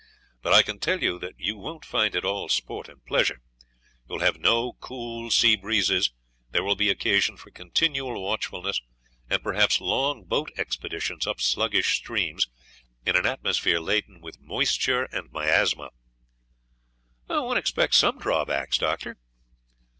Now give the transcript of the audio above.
But I can tell you that you won't find it all sport and pleasure. You will have no cool sea breezes; there will be occasion for continual watchfulness, and perhaps long boat expeditions up sluggish streams, in an atmosphere laden with moisture and miasma." "One expects some drawbacks, Doctor."